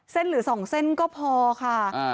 เส้นหรือสองเส้นก็พอค่ะ